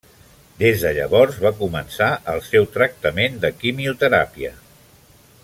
Des de llavors, va començar el seu tractament de quimioteràpia.